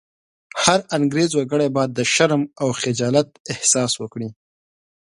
هر انګرېز وګړی به د شرم او خجالت احساس وکړي.